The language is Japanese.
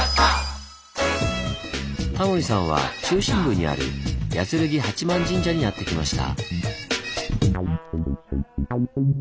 タモリさんは中心部にある八劔八幡神社にやって来ました。